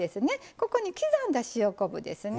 ここに刻んだ塩昆布ですね。